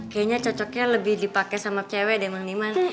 kayaknya cocoknya lebih dipake sama cewek deh emangnya